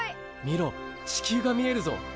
見ろ地球が見えるぞ！